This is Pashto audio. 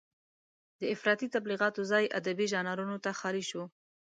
د افراطي تبليغاتو ځای ادبي ژانرونو ته خالي شو.